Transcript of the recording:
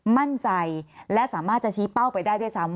มั่นใจและสามารถจะชี้เป้าไปได้ด้วยซ้ำ